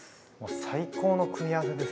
最高の組み合わせですね。